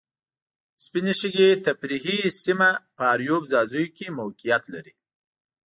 سپینې شګې تفریحي سیمه په اریوب ځاځیو کې موقیعت لري.